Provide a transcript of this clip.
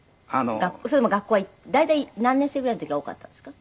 それでも学校は大体何年生ぐらいの時が多かったんですか？